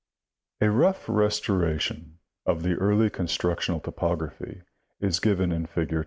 — A rough restoration of the early constructional topography is given in fig.